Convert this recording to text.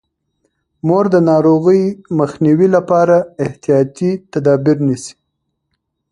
مور د ناروغۍ مخنیوي لپاره احتیاطي تدابیر نیسي.